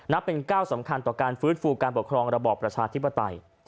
เป็นก้าวสำคัญต่อการฟื้นฟูการปกครองระบอบประชาธิปไตย